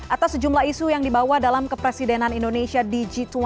atas sejumlah isu yang dibawa dalam kepresidenan indonesia di g dua puluh